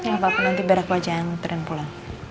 ya apa apa nanti berak wajah nanti pulang